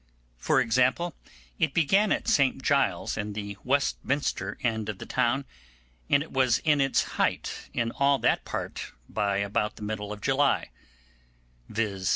For example, it began at St Giles's and the Westminster end of the town, and it was in its height in all that part by about the middle of July, viz.